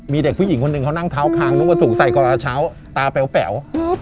มีเด็กผู้หญิงคนหนึ่งเขานั่งเท้าคางนึกว่าถูกใส่ก่อนกระเช้าตาแป๋ว